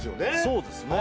そうですね